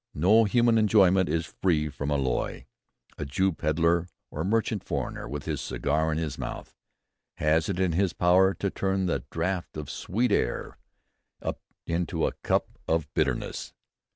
no human enjoyment is free from alloy. A Jew pedlar or mendicant foreigner with his cigar in his mouth, has it in his power to turn the draft of sweet air into a cup of bitterness."